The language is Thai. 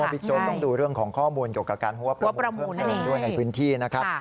บิ๊กโจ๊กต้องดูเรื่องของข้อมูลเกี่ยวกับการหัวประมูลเพิ่มเติมด้วยในพื้นที่นะครับ